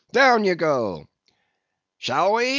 Down ye go.' "'Shall we?